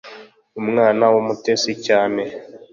umwana wumutesi cyane.